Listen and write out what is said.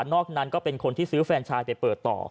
นั้นก็เป็นคนที่ซื้อแฟนชายไปเปิดต่อ